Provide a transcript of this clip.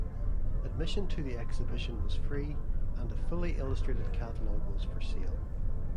Admission to the exhibition was free and a fully illustrated catalogue was for sale.